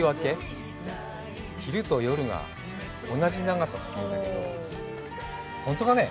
昼と夜が同じ長さと言うんだけど、本当かね。